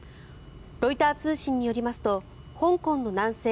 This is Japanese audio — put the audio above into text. ロイター通信によりますと香港の南西